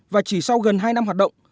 và chỉ sau gần hai năm hoạt động